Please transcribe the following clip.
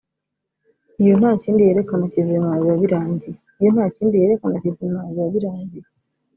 iyo nta kindi yerekana kizima biba birangiye